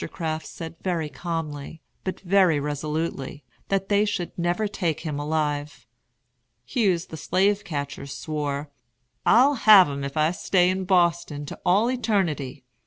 Crafts said very calmly, but very resolutely, that they should never take him alive. Hughes the slave catcher swore: "I'll have 'em if I stay in Boston to all eternity.